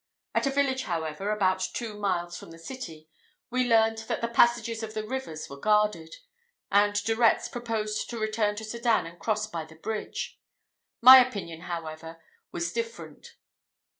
At a village, however, about two miles from the city, we learned that the passages of the rivers were guarded, and De Retz proposed to return to Sedan and cross by the bridge. My opinion, however, was different.